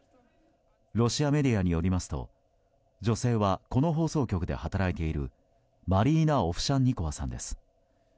ロシアメディアによりますと女性は、この放送局で働いているマリーナ・オフシャンニコワさんです。